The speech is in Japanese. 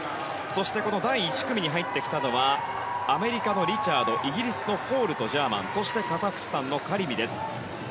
そして第１組に入ってきたのはアメリカのリチャードイギリスのホールとジャーマンそして、カザフスタンのカリミです。